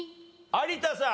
有田さん。